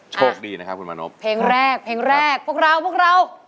โชคดีนะครับคุณมานพเพลงแรกเพลงแรกพวกเราพวกเรา